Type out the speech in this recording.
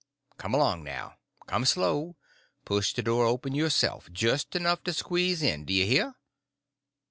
Come along now. Come slow; push the door open yourself—just enough to squeeze in, d' you hear?"